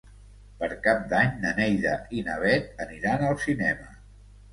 Per Cap d'Any na Neida i na Bet aniran al cinema.